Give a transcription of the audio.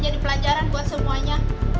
jadi pelajaran buat semuanya